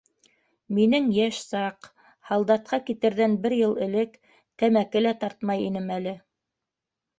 Минең йәш саҡ, һалдатҡа китерҙән бер йыл элек, тәмәке лә тартмай инем әле.